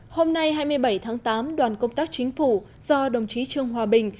hôm nay hai mươi bảy tháng tám đoàn công tác chính phủ do đồng chí trương hòa bình